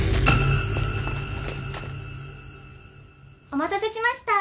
お待たせしました。